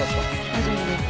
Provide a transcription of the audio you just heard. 大丈夫です。